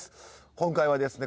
今回はですね